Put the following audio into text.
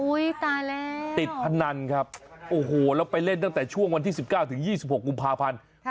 ตายแล้วติดพนันครับโอ้โหแล้วไปเล่นตั้งแต่ช่วงวันที่๑๙ถึง๒๖กุมภาพันธ์